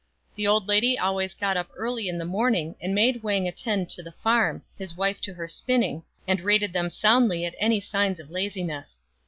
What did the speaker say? The old lady always got up early in the morning and made Wang attend to the farm, his wife to her spinning; and rated them soundly at any signs of laziness.